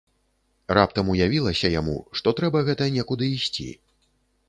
Раптам уявілася яму, што трэба гэта некуды ісці.